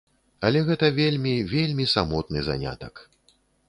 Але гэта вельмі, вельмі самотны занятак.